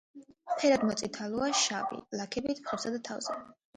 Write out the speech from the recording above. ფერად მოწითალოა შავი ლაქებით მხრებსა და თავზე.